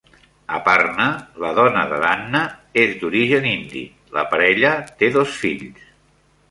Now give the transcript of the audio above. Aparna, la dona de Danna, és d'origen indi; la parella té dos fills.